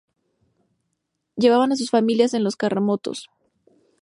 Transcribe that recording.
Llevaban a sus familias en los carromatos.